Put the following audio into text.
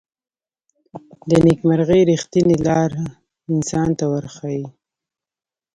د نیکمرغۍ ریښتینې لاره انسان ته ورښيي.